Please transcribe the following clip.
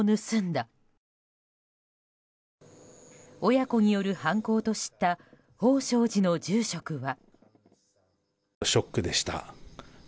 親子による犯行と知った宝性寺の住職は。